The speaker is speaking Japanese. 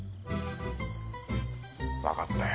わかったよ。